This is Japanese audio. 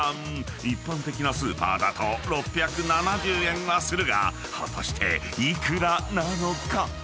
［一般的なスーパーだと６７０円はするが果たして幾らなのか？］